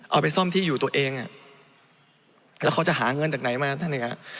เอาไปซ่อมที่อยู่ตัวเองอ่ะแล้วเขาจะหาเงินจากไหนมาท่านหนึ่งอ่ะ